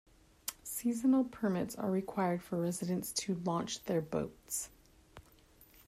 Seasonal permits are required for residents to launch their boats.